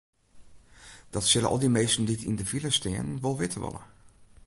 Dat sille al dy minsken dy't yn de file stean wol witte wolle.